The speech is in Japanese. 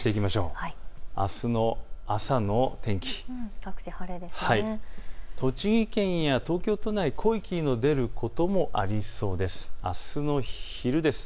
あすの朝の天気、栃木県や東京都内、濃い霧の出ることもありそうです。